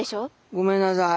ごめんなさい。